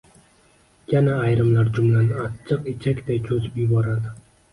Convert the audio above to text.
Yana ayrimlar jumlani achchiq ichakday cho‘zib yuboradi.